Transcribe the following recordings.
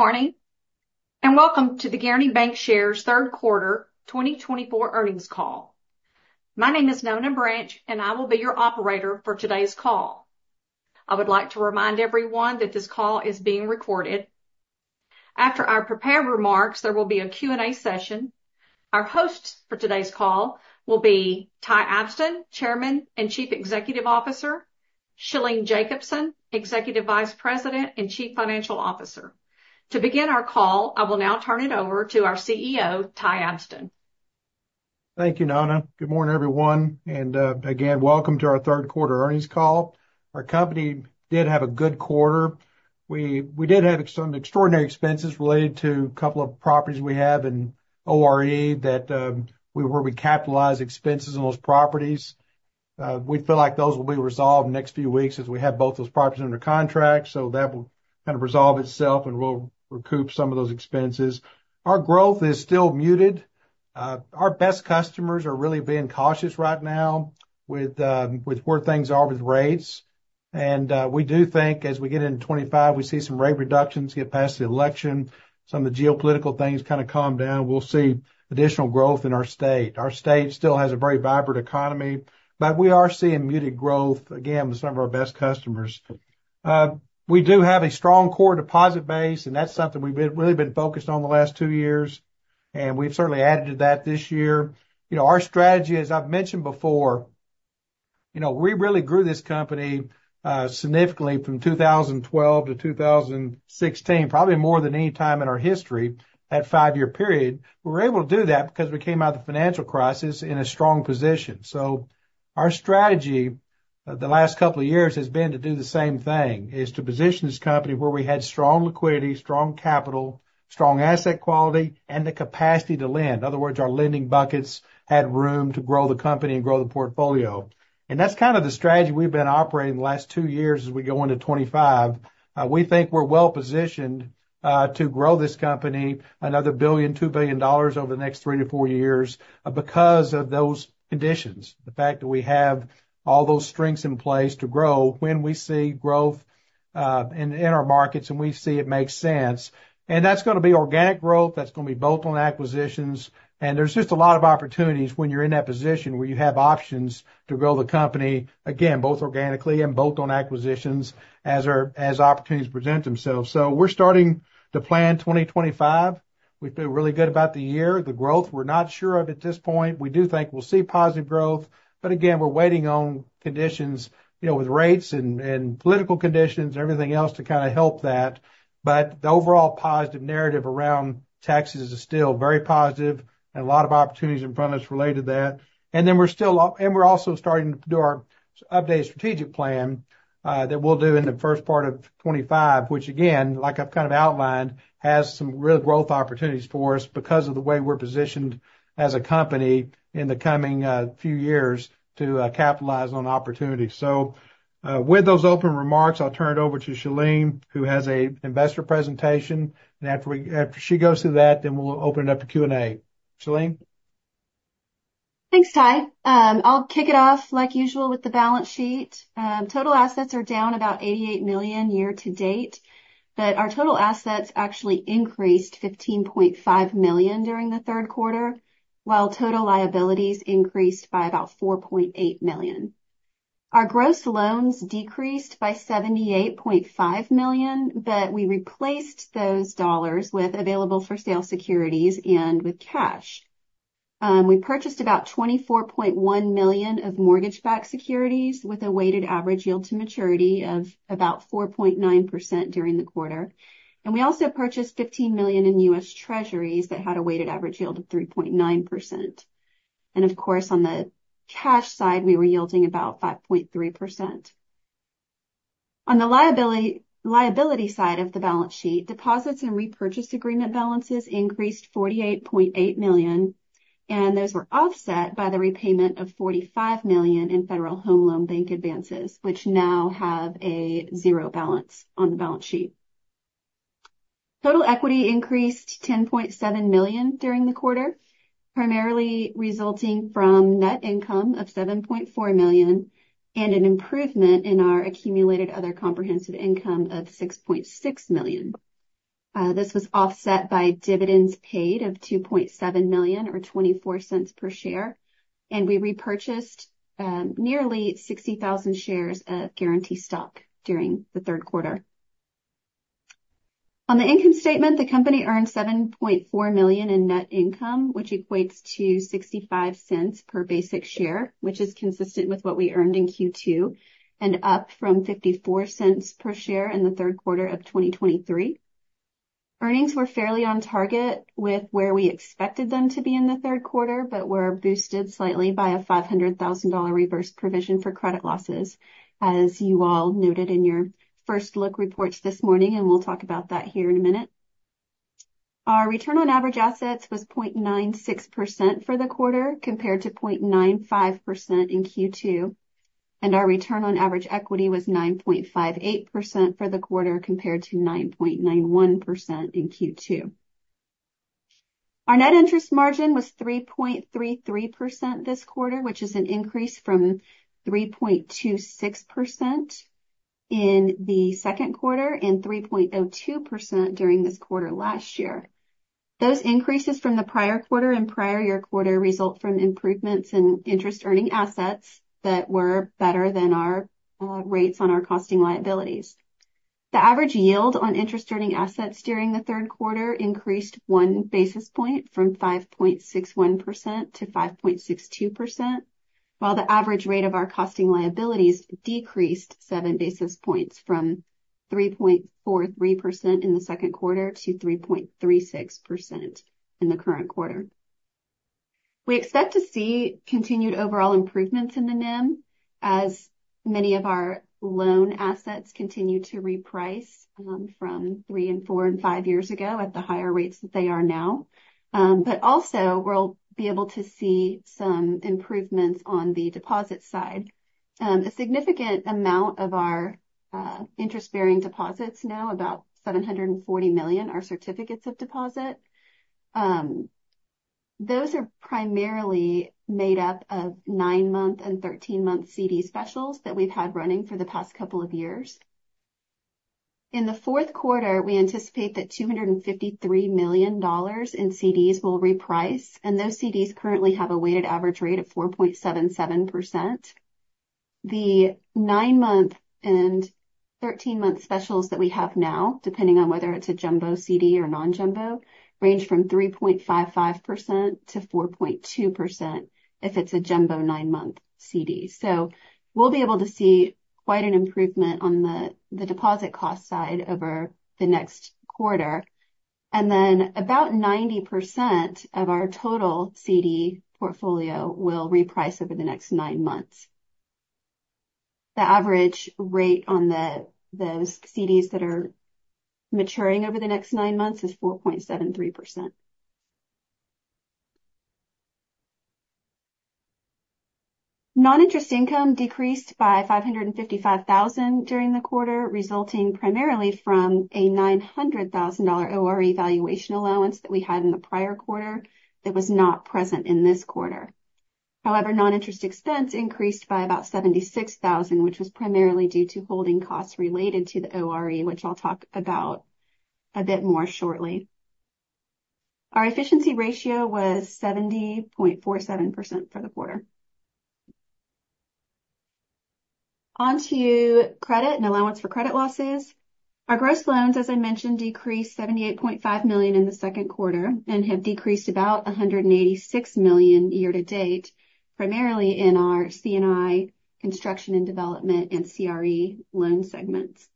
Good morning, and welcome to the Guaranty Bancshares third quarter twenty twenty-four earnings call. My name is Nona Branch, and I will be your operator for today's call. I would like to remind everyone that this call is being recorded. After our prepared remarks, there will be a Q&A session. Our hosts for today's call will be Ty Abston, Chairman and Chief Executive Officer, Shalene Jacobson, Executive Vice President and Chief Financial Officer. To begin our call, I will now turn it over to our CEO, Ty Abston. Thank you, Nona. Good morning, everyone, and again, welcome to our third quarter earnings call. Our company did have a good quarter. We did have some extraordinary expenses related to a couple of properties we have in ORE that where we capitalize expenses on those properties. We feel like those will be resolved in the next few weeks as we have both those properties under contract, so that will kind of resolve itself, and we'll recoup some of those expenses. Our growth is still muted. Our best customers are really being cautious right now with where things are with rates. And we do think as we get into 2025, we see some rate reductions get past the election, some of the geopolitical things kind of calm down. We'll see additional growth in our state. Our state still has a very vibrant economy, but we are seeing muted growth, again, with some of our best customers. We do have a strong core deposit base, and that's something we've been, really been focused on the last two years, and we've certainly added to that this year. You know, our strategy, as I've mentioned before, you know, we really grew this company significantly from two thousand and twelve to two thousand and sixteen, probably more than any time in our history, that five-year period. We were able to do that because we came out of the financial crisis in a strong position. Our strategy the last couple of years has been to do the same thing, is to position this company where we had strong liquidity, strong capital, strong asset quality, and the capacity to lend. In other words, our lending buckets had room to grow the company and grow the portfolio. And that's kind of the strategy we've been operating the last two years as we go into 2025. We think we're well positioned to grow this company another $1 billion-$2 billion over the next three to four years because of those conditions. The fact that we have all those strengths in place to grow when we see growth in our markets, and we see it makes sense. And that's going to be organic growth, that's going to be both on acquisitions, and there's just a lot of opportunities when you're in that position where you have options to grow the company, again, both organically and bolt-on acquisitions as opportunities present themselves. So we're starting to plan 2025. We feel really good about the year. The growth, we're not sure of at this point. We do think we'll see positive growth, but again, we're waiting on conditions, you know, with rates and political conditions and everything else to kind of help that. But the overall positive narrative around taxes is still very positive and a lot of opportunities in front of us related to that. And then we're still and we're also starting to do our updated strategic plan that we'll do in the first part of 2025, which again, like I've kind of outlined, has some real growth opportunities for us because of the way we're positioned as a company in the coming few years to capitalize on opportunities. With those open remarks, I'll turn it over to Shalene, who has a investor presentation, and after she goes through that, then we'll open it up to Q&A. Shalene? Thanks, Ty. I'll kick it off like usual with the balance sheet. Total assets are down about $88 million year to date, but our total assets actually increased $15.5 million during the third quarter, while total liabilities increased by about $4.8 million. Our gross loans decreased by $78.5 million, but we replaced those dollars with available-for-sale securities and with cash. We purchased about $24.1 million of mortgage-backed securities, with a weighted average yield to maturity of about 4.9% during the quarter. And we also purchased $15 million in U.S. Treasuries that had a weighted average yield of 3.9%. And of course, on the cash side, we were yielding about 5.3%. On the liability, liability side of the balance sheet, deposits and repurchase agreement balances increased $48.8 million, and those were offset by the repayment of $45 million in Federal Home Loan Bank advances, which now have a 0 balance on the balance sheet. Total equity increased $10.7 million during the quarter, primarily resulting from net income of $7.4 million and an improvement in our accumulated other comprehensive income of $6.6 million. This was offset by dividends paid of $2.7 million or $0.24 per share, and we repurchased nearly 60,000 shares of Guaranty stock during the third quarter. On the income statement, the company earned $7.4 million in net income, which equates to $0.65 per basic share, which is consistent with what we earned in Q2, and up from $0.54 per share in the third quarter of 2023. Earnings were fairly on target with where we expected them to be in the third quarter, but were boosted slightly by a $500,000 reverse provision for credit losses, as you all noted in your first look reports this morning, and we'll talk about that here in a minute. Our return on average assets was 0.96% for the quarter, compared to 0.95% in Q2, and our return on average equity was 9.58% for the quarter, compared to 9.91% in Q2. Our net interest margin was 3.33% this quarter, which is an increase from 3.26% in the second quarter, and 3.02% during this quarter last year. Those increases from the prior quarter and prior year quarter result from improvements in interest earning assets that were better than our rates on our costing liabilities. The average yield on interest earning assets during the third quarter increased one basis point from 5.61% to 5.62%, while the average rate of our costing liabilities decreased seven basis points from 3.43% in the second quarter to 3.36% in the current quarter. We expect to see continued overall improvements in the NIM as many of our loan assets continue to reprice from three and four and five years ago at the higher rates that they are now. But also we'll be able to see some improvements on the deposit side. A significant amount of our interest-bearing deposits, now about $740 million, are certificates of deposit. Those are primarily made up of nine-month and thirteen-month CD specials that we've had running for the past couple of years. In the fourth quarter, we anticipate that $253 million in CDs will reprice, and those CDs currently have a weighted average rate of 4.77%. The nine-month and thirteen-month specials that we have now, depending on whether it's a jumbo CD or non-jumbo, range from 3.55% to 4.2% if it's a jumbo nine-month CD. So we'll be able to see quite an improvement on the deposit cost side over the next quarter, and then about 90% of our total CD portfolio will reprice over the next nine months. The average rate on those CDs that are maturing over the next nine months is 4.73%. Non-interest income decreased by $555,000 during the quarter, resulting primarily from a $900,000 ORE valuation allowance that we had in the prior quarter that was not present in this quarter. However, non-interest expense increased by about $76,000, which was primarily due to holding costs related to the ORE, which I'll talk about a bit more shortly. Our efficiency ratio was 70.47% for the quarter. On to credit and allowance for credit losses. Our gross loans, as I mentioned, decreased $78.5 million in the second quarter and have decreased about $186 million year to date, primarily in our C&I, construction and development, and CRE loan segments.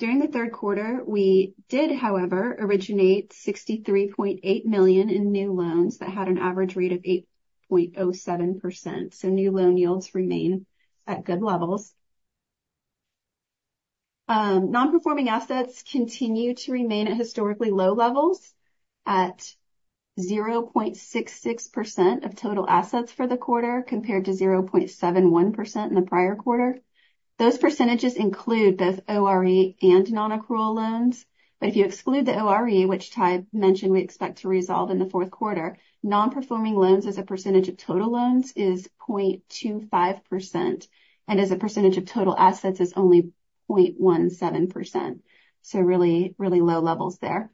During the third quarter, we did, however, originate $63.8 million in new loans that had an average rate of 8.07%. So new loan yields remain at good levels. Non-performing assets continue to remain at historically low levels, at 0.66% of total assets for the quarter, compared to 0.71% in the prior quarter. Those percentages include both ORE and non-accrual loans. But if you exclude the ORE, which Ty mentioned, we expect to resolve in the fourth quarter, non-performing loans as a percentage of total loans is 0.25%, and as a percentage of total assets is only 0.17%. So really, really low levels there.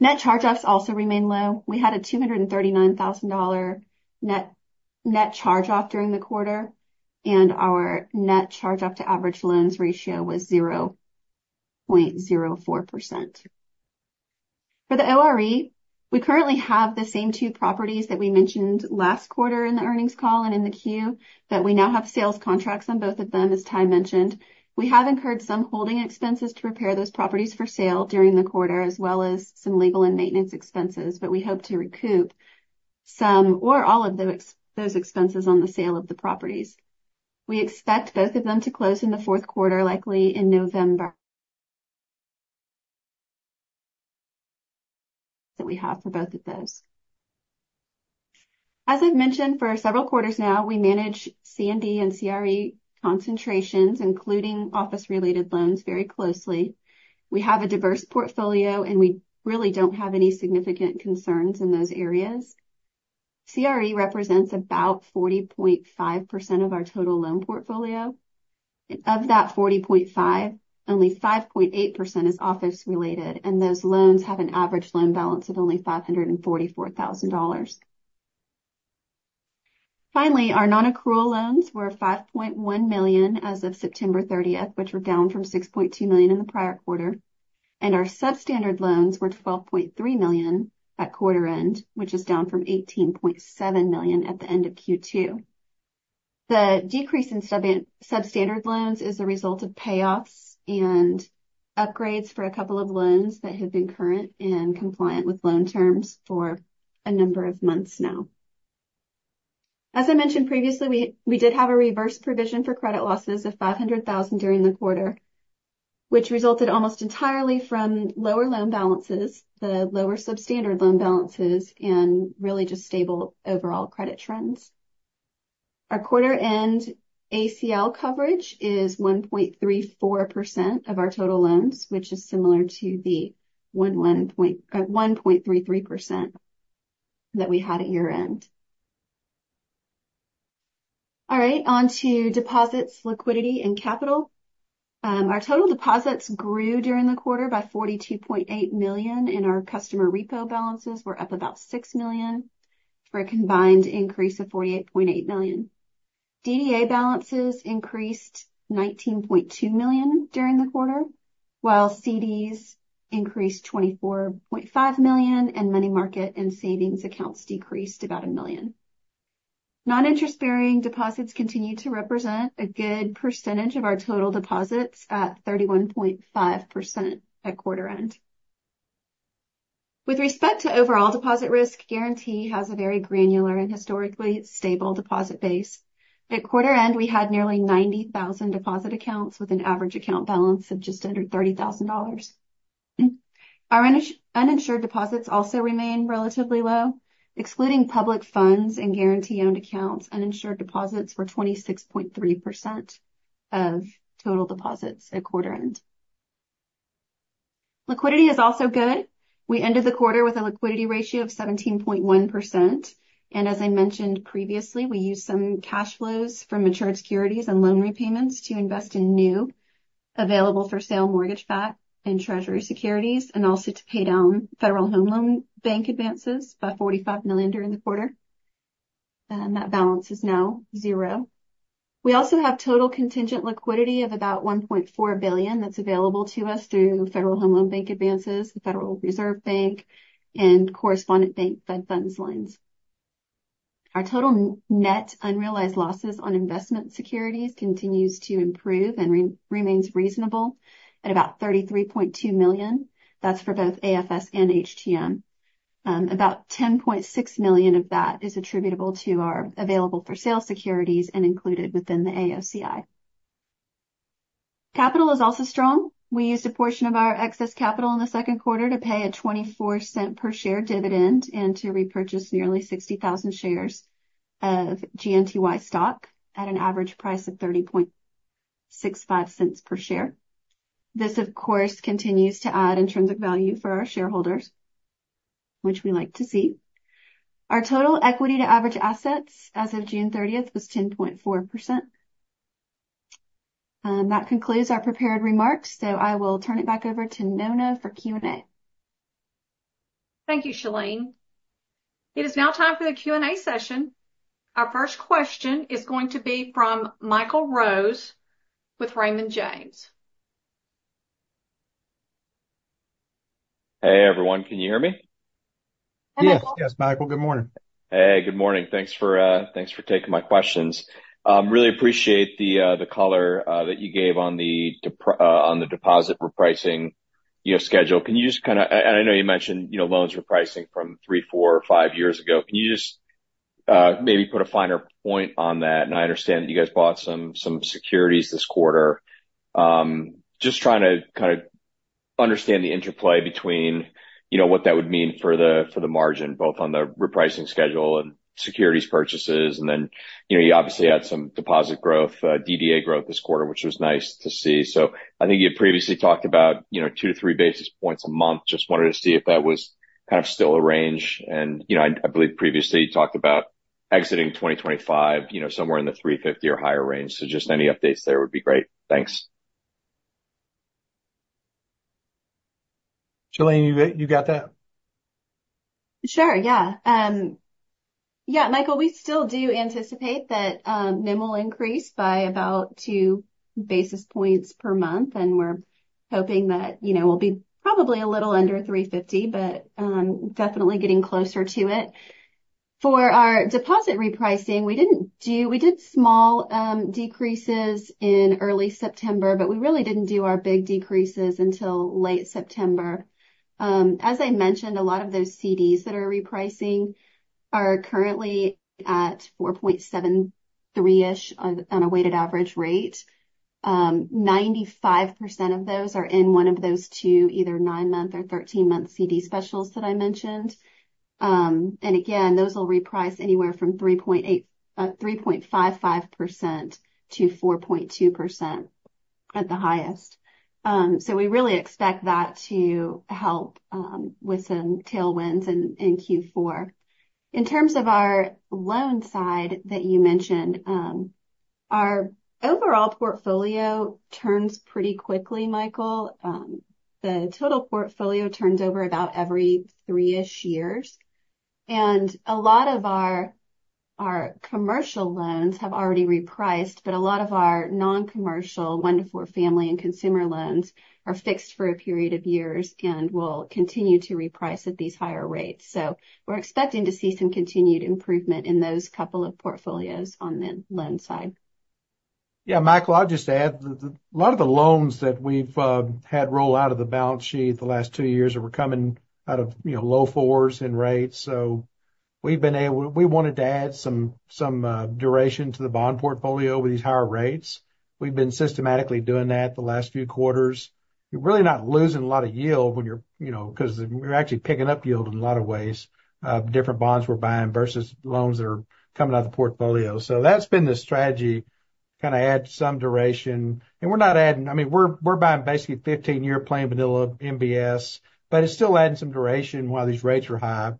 Net charge-offs also remain low. We had a $239,000 net charge-off during the quarter, and our net charge-off to average loans ratio was 0.04%. For the ORE, we currently have the same two properties that we mentioned last quarter in the earnings call and in the Q, that we now have sales contracts on both of them, as Ty mentioned. We have incurred some holding expenses to prepare those properties for sale during the quarter, as well as some legal and maintenance expenses, but we hope to recoup some or all of those expenses on the sale of the properties. We expect both of them to close in the fourth quarter, likely in November. That we have for both of those. As I've mentioned for several quarters now, we manage C&D and CRE concentrations, including office-related loans, very closely. We have a diverse portfolio, and we really don't have any significant concerns in those areas. CRE represents about 40.5% of our total loan portfolio. Of that 40.5, only 5.8% is office related, and those loans have an average loan balance of only $544,000. Finally, our non-accrual loans were $5.1 million as of September thirtieth, which were down from $6.2 million in the prior quarter, and our substandard loans were $12.3 million at quarter end, which is down from $18.7 million at the end of Q2. The decrease in substandard loans is a result of payoffs and upgrades for a couple of loans that have been current and compliant with loan terms for a number of months now. As I mentioned previously, we did have a reverse provision for credit losses of $500,000 during the quarter, which resulted almost entirely from lower loan balances, the lower substandard loan balances, and really just stable overall credit trends. Our quarter end ACL coverage is 1.34% of our total loans, which is similar to the 1.33% that we had at year-end. All right, on to deposits, liquidity, and capital. Our total deposits grew during the quarter by $42.8 million, and our customer repo balances were up about $6 million, for a combined increase of $48.8 million. DDA balances increased $19.2 million during the quarter, while CDs increased $24.5 million, and money market and savings accounts decreased about $1 million. Non-interest-bearing deposits continue to represent a good percentage of our total deposits at 31.5% at quarter end. With respect to overall deposit risk, Guaranty has a very granular and historically stable deposit base. At quarter end, we had nearly 90,000 deposit accounts with an average account balance of just under $30,000. Our uninsured deposits also remain relatively low. Excluding public funds and Guaranty-owned accounts, uninsured deposits were 26.3% of total deposits at quarter end. Liquidity is also good. We ended the quarter with a liquidity ratio of 17.1%. As I mentioned previously, we used some cash flows from matured securities and loan repayments to invest in new available-for-sale mortgage, FAT, and treasury securities, and also to pay down Federal Home Loan Bank advances by $45 million during the quarter, and that balance is now zero. We also have total contingent liquidity of about $1.4 billion that's available to us through Federal Home Loan Bank advances, the Federal Reserve Bank, and Correspondent Bank Fed Funds lines. Our total net unrealized losses on investment securities continues to improve and remains reasonable at about $33.2 million. That's for both AFS and HTM. About $10.6 million of that is attributable to our available-for-sale securities and included within the AOCI. Capital is also strong. We used a portion of our excess capital in the second quarter to pay a $0.24 per share dividend and to repurchase nearly 60,000 shares of GNTY stock at an average price of $30.65 per share. This, of course, continues to add intrinsic value for our shareholders, which we like to see. Our total equity to average assets as of June thirtieth was 10.4%. That concludes our prepared remarks, so I will turn it back over to Nona for Q&A. Thank you, Shalene. It is now time for the Q&A session. Our first question is going to be from Michael Rose with Raymond James. Hey, everyone. Can you hear me? Hi, Michael. Yes, yes, Michael, good morning. Hey, good morning. Thanks for taking my questions. Really appreciate the color that you gave on the deposit repricing, you know, schedule. Can you just kind of and I know you mentioned, you know, loans repricing from three, four, or five years ago. Can you just maybe put a finer point on that? And I understand you guys bought some securities this quarter. Just trying to kind of understand the interplay between, you know, what that would mean for the margin, both on the repricing schedule and securities purchases. And then, you know, you obviously had some deposit growth, DDA growth this quarter, which was nice to see. So I think you previously talked about, you know, two to three basis points a month. Just wanted to see if that was kind of still a range, and you know, I believe previously you talked about exiting 2025, you know, somewhere in the 3.50 or higher range, so just any updates there would be great. Thanks. Shalene, you got that? Sure, yeah. Yeah, Michael, we still do anticipate that, NIM will increase by about two basis points per month, and we're hoping that, you know, we'll be probably a little under three fifty, but definitely getting closer to it. For our deposit repricing, we didn't do, we did small decreases in early September, but we really didn't do our big decreases until late September. As I mentioned, a lot of those CDs that are repricing are currently at 4.73-ish on a weighted average rate. 95% of those are in one of those two, either nine-month or 13-month CD specials that I mentioned. And again, those will reprice anywhere from 3.8, 3.55% to 4.2% at the highest. So we really expect that to help with some tailwinds in Q4. In terms of our loan side that you mentioned, our overall portfolio turns pretty quickly, Michael. The total portfolio turns over about every three-ish years, and a lot of our commercial loans have already repriced, but a lot of our non-commercial, one to four family and consumer loans are fixed for a period of years and will continue to reprice at these higher rates. So we're expecting to see some continued improvement in those couple of portfolios on the loan side. Yeah, Michael, I'll just add, a lot of the loans that we've had roll out of the balance sheet the last two years were coming out of, you know, low fours in rates. So we've been able we wanted to add some duration to the bond portfolio with these higher rates. We've been systematically doing that the last few quarters. You're really not losing a lot of yield when you're, you know, 'cause you're actually picking up yield in a lot of ways, different bonds we're buying versus loans that are coming out of the portfolio. So that's been the strategy, kind of add some duration. And we're not adding I mean, we're buying basically 15-year plain vanilla MBS, but it's still adding some duration while these rates are high.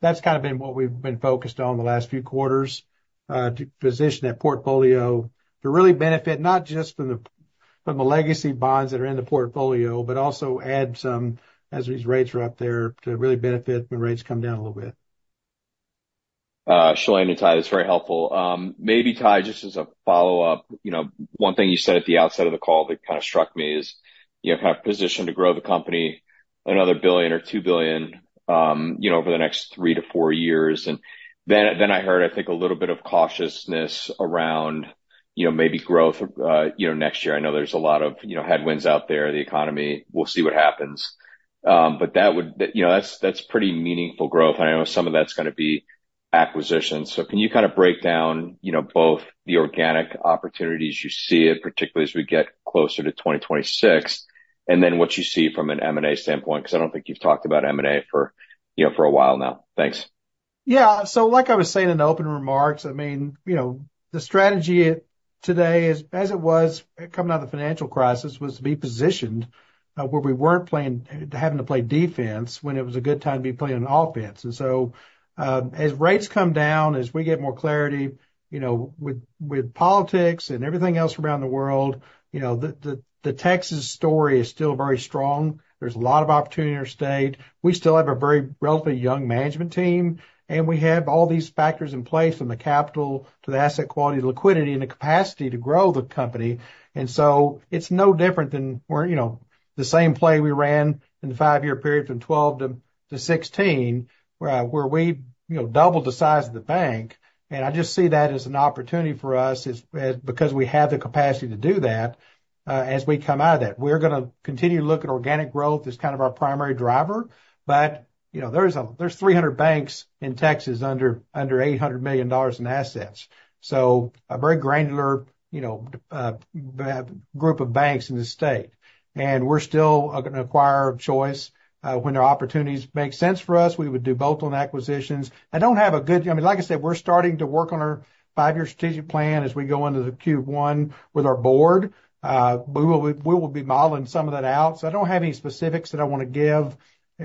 That's kind of been what we've been focused on the last few quarters to position that portfolio to really benefit not just from the legacy bonds that are in the portfolio, but also add some as these rates are up there to really benefit when rates come down a little bit. Shalene and Ty, that's very helpful. Maybe, Ty, just as a follow-up, you know, one thing you said at the outset of the call that kind of struck me is, you kind of have positioned to grow the company another billion or two billion, you know, over the next three to four years. And then I heard, I think, a little bit of cautiousness around, you know, maybe growth, you know, next year. I know there's a lot of, you know, headwinds out there, the economy, we'll see what happens. But that would, you know, that's, that's pretty meaningful growth, and I know some of that's going to be acquisition. So can you kind of break down, you know, both the organic opportunities you see, and particularly as we get closer to twenty twenty-six, and then what you see from an M&A standpoint? Because I don't think you've talked about M&A for, you know, for a while now. Thanks. Yeah. So like I was saying in the opening remarks, I mean, you know, the strategy today is, as it was coming out of the financial crisis, was to be positioned where we weren't having to play defense when it was a good time to be playing on offense. And so, as rates come down, as we get more clarity, you know, with politics and everything else around the world, you know, the Texas story is still very strong. There's a lot of opportunity in our state. We still have a very relatively young management team, and we have all these factors in place, from the capital to the asset quality, liquidity, and the capacity to grow the company. It's no different than where, you know, the same play we ran in the five-year period, from 2012 to 2016, where we, you know, doubled the size of the bank. I just see that as an opportunity for us, because we have the capacity to do that, as we come out of that. We're gonna continue to look at organic growth as kind of our primary driver. But, you know, there's three hundred banks in Texas under $800 million in assets. So a very granular, you know, group of banks in the state. We're still an acquirer of choice. When their opportunities make sense for us, we would do both on acquisitions. I mean, like I said, we're starting to work on our five-year strategic plan as we go into the Q1 with our board. We will be modeling some of that out. So I don't have any specifics that I want to give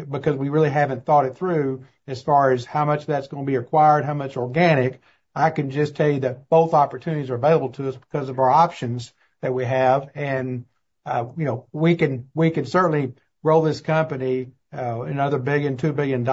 because we really haven't thought it through as far as how much that's going to be acquired, how much organic. I can just tell you that both opportunities are available to us because of our options that we have. And, you know, we can certainly grow this company another $1 billion, $2 billion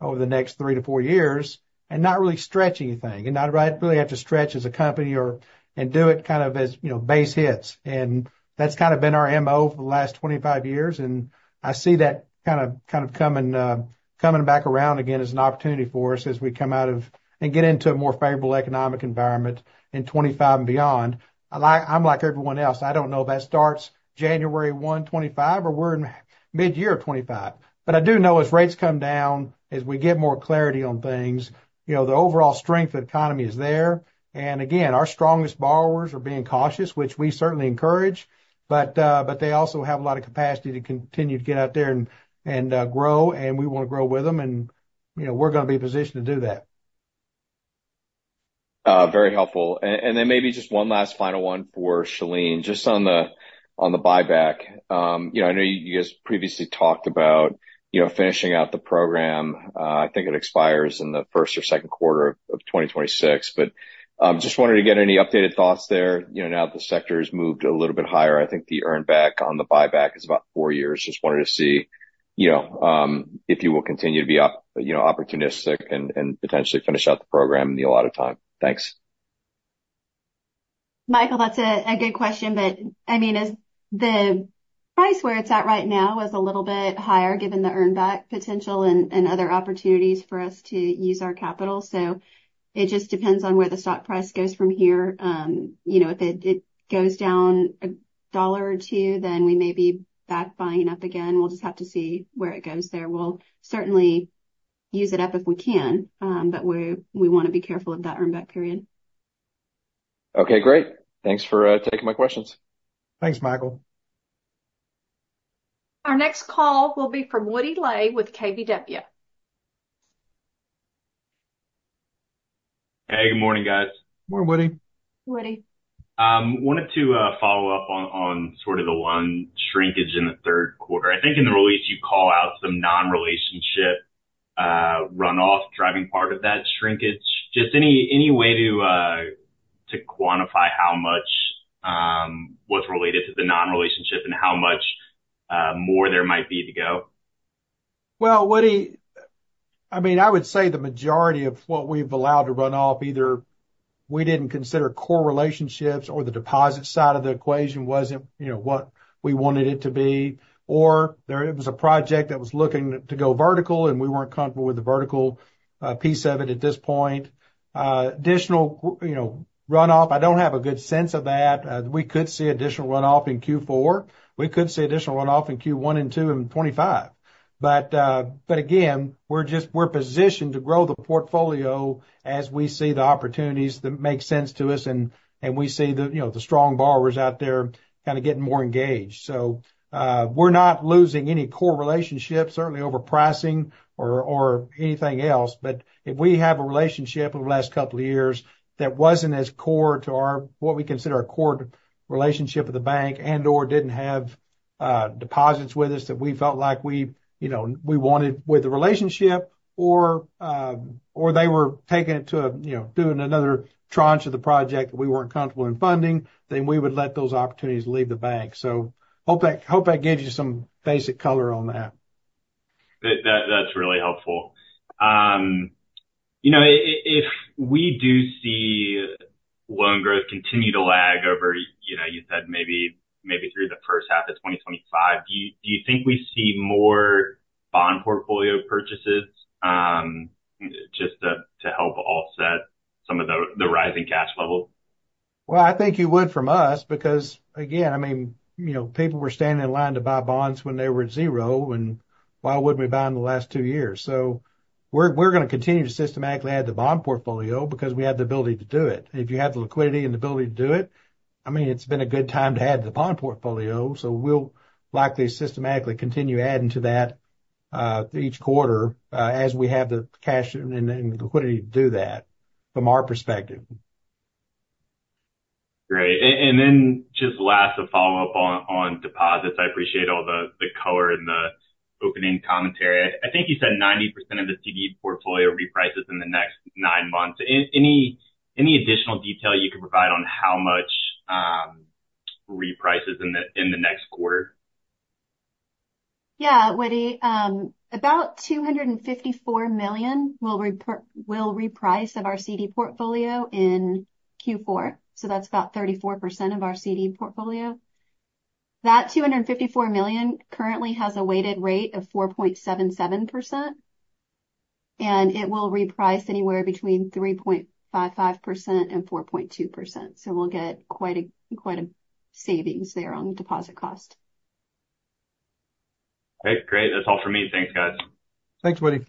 over the next three to four years and not really stretch anything, and not really have to stretch as a company or and do it kind of as, you know, base hits. And that's kind of been our MO for the last 25 years, and I see that kind of coming back around again as an opportunity for us as we come out of and get into a more favorable economic environment in 2025 and beyond. I'm like everyone else, I don't know if that starts January 1, 2025, or we're in midyear of 2025, but I do know as rates come down, as we get more clarity on things, you know, the overall strength of the economy is there, and again, our strongest borrowers are being cautious, which we certainly encourage, but they also have a lot of capacity to continue to get out there and grow, and we want to grow with them, and, you know, we're going to be positioned to do that. Very helpful. And then maybe just one last final one for Shalene. Just on the buyback. You know, I know you guys previously talked about, you know, finishing out the program. I think it expires in the first or second quarter of 2026. But just wanted to get any updated thoughts there. You know, now that the sector has moved a little bit higher, I think the earn back on the buyback is about four years. Just wanted to see, you know, if you will continue to be opportunistic and potentially finish out the program in the allotted time. Thanks. Michael, that's a good question. But I mean, as the price where it's at right now is a little bit higher, given the earn back potential and other opportunities for us to use our capital. So it just depends on where the stock price goes from here. You know, if it goes down a dollar or two, then we may be back buying up again. We'll just have to see where it goes there. We'll certainly use it up if we can, but we want to be careful of that earn back period. Okay, great. Thanks for taking my questions. Thanks, Michael. Our next call will be from Woody Lay with KBW. Hey, good morning, guys. Good morning, Woody. Woody. Wanted to follow up on sort of the loan shrinkage in the third quarter. I think in the release you call out some non-relationship runoff driving part of that shrinkage. Just any way to quantify how much was related to the non-relationship and how much more there might be to go? Woody, I mean, I would say the majority of what we've allowed to run off either we didn't consider core relationships or the deposit side of the equation wasn't, you know, what we wanted it to be, or it was a project that was looking to go vertical, and we weren't comfortable with the vertical piece of it at this point. Additional, you know, runoff, I don't have a good sense of that. We could see additional runoff in Q4. We could see additional runoff in Q1 and Q2 in 2025. But again, we're just positioned to grow the portfolio as we see the opportunities that make sense to us, and we see the, you know, the strong borrowers out there kind of getting more engaged. So, we're not losing any core relationships, certainly over pricing or anything else. But if we have a relationship over the last couple of years that wasn't as core to our, what we consider our core relationship with the bank and/or didn't have deposits with us that we felt like we, you know, we wanted with the relationship or they were taking it to, you know, doing another tranche of the project that we weren't comfortable in funding, then we would let those opportunities leave the bank. So hope that gives you some basic color on that. That, that's really helpful. You know, if we do see loan growth continue to lag over, you know, you said maybe through the first half of twenty twenty-five, do you think we see more bond portfolio purchases, just to help offset some of the rising cash level? I think you would from us, because, again, I mean, you know, people were standing in line to buy bonds when they were at zero, and why wouldn't we buy in the last two years? So we're gonna continue to systematically add the bond portfolio because we have the ability to do it. If you have the liquidity and the ability to do it, I mean, it's been a good time to add the bond portfolio, so we'll likely systematically continue adding to that each quarter as we have the cash and liquidity to do that, from our perspective. Great. Then just last, a follow-up on deposits. I appreciate all the color in the opening commentary. I think you said 90% of the CD portfolio reprices in the next nine months. Any additional detail you can provide on how much reprices in the next quarter? Yeah, Woody. About $254 million will reprice of our CD portfolio in Q4, so that's about 34% of our CD portfolio. That $254 million currently has a weighted rate of 4.77%, and it will reprice anywhere between 3.55% and 4.2%. So we'll get quite a, quite a savings there on the deposit cost. Okay, great. That's all for me. Thanks, guys. Thanks, Woody.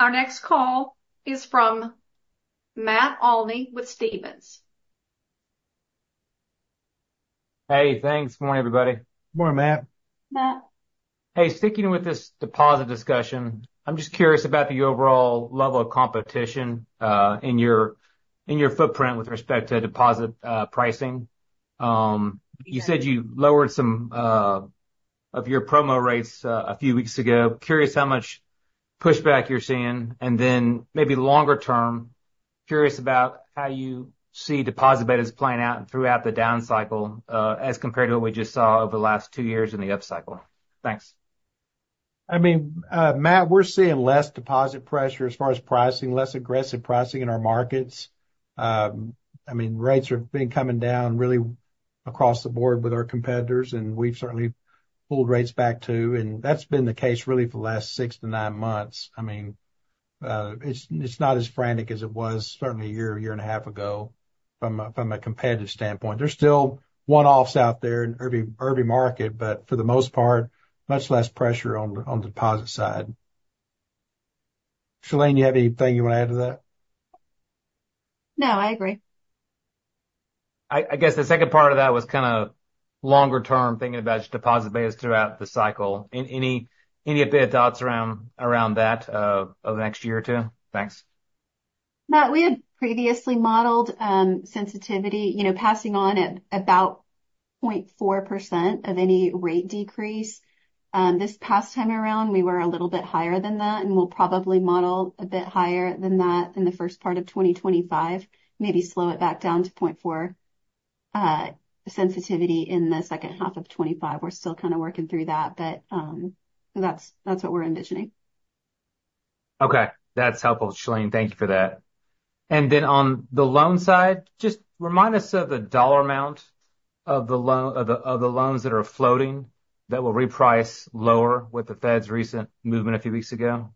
Our next call is from Matt Olney with Stephens. Hey, thanks. Good morning, everybody. Good morning, Matt. Matt. Hey, sticking with this deposit discussion, I'm just curious about the overall level of competition in your footprint with respect to deposit pricing. You said you lowered some of your promo rates a few weeks ago. Curious how much pushback you're seeing. And then maybe longer term, curious about how you see deposit betas playing out throughout the down cycle as compared to what we just saw over the last two years in the upcycle. Thanks. I mean, Matt, we're seeing less deposit pressure as far as pricing, less aggressive pricing in our markets. I mean, rates have been coming down really across the board with our competitors, and we've certainly pulled rates back, too, and that's been the case really for the last six to nine months. I mean, it's not as frantic as it was certainly a year, a year and a half ago from a competitive standpoint. There's still one-offs out there in every market, but for the most part, much less pressure on the deposit side. Shalene, you have anything you want to add to that? No, I agree. I guess the second part of that was kind of longer term, thinking about deposit betas throughout the cycle. Any updated thoughts around that over the next year or two? Thanks. Matt, we had previously modeled, sensitivity, you know, passing on at about 0.4% of any rate decrease. This past time around, we were a little bit higher than that, and we'll probably model a bit higher than that in the first part of twenty twenty-five, maybe slow it back down to 0.4% sensitivity in the second half of 2025. We're still kind of working through that, but, that's what we're envisioning. Okay. That's helpful, Shalene. Thank you for that. And then, on the loan side, just remind us of the dollar amount of the loans that are floating, that will reprice lower with the Fed's recent movement a few weeks ago.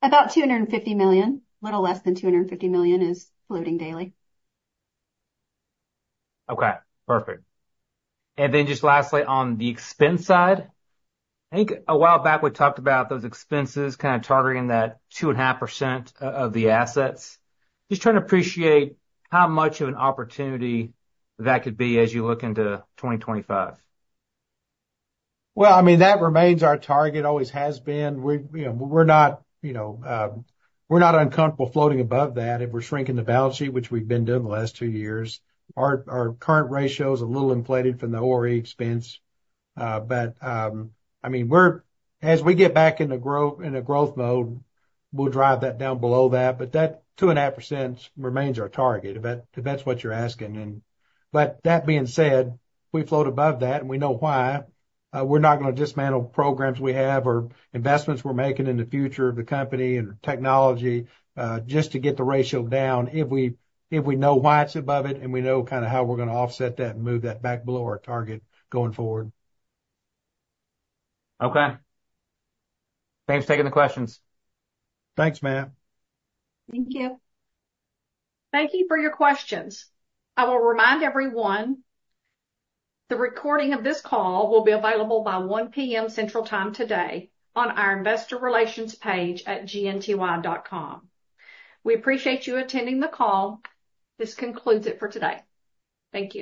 About $250 million, a little less than $250 million is floating daily. Okay, perfect. And then just lastly, on the expense side, I think a while back, we talked about those expenses kind of targeting that 2.5% of the assets. Just trying to appreciate how much of an opportunity that could be as you look into 2025. I mean, that remains our target, always has been. We, you know, we're not, you know, we're not uncomfortable floating above that if we're shrinking the balance sheet, which we've been doing the last two years. Our current ratio is a little inflated from the ORE expense. But, I mean, as we get back in a growth mode, we'll drive that down below that, but that 2.5% remains our target, if that, if that's what you're asking. That being said, if we float above that and we know why, we're not gonna dismantle programs we have or investments we're making in the future of the company and technology just to get the ratio down, if we know why it's above it and we know kind of how we're gonna offset that and move that back below our target going forward. Okay. Thanks for taking the questions. Thanks, Matt. Thank you. Thank you for your questions. I will remind everyone, the recording of this call will be available by 1:00 P.M. Central Time today on our investor relations page at gnty.com. We appreciate you attending the call. This concludes it for today. Thank you.